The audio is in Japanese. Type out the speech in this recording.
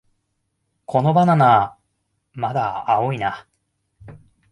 このバナナ、まだ青いな